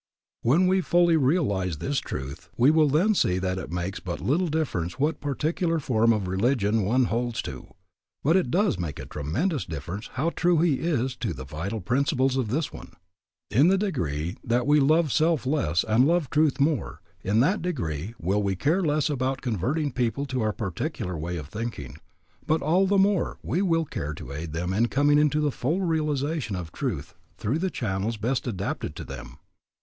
When we fully realize this truth we will then see that it makes but little difference what particular form of religion one holds to, but it does make a tremendous difference how true he is to the vital principles of this one. In the degree that we love self less and love truth more, in that degree will we care less about converting people to our particular way of thinking, but all the more will we care to aid them in coming into the full realization of truth through the channels best adapted to them.